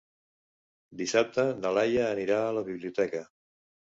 Dissabte na Laia anirà a la biblioteca.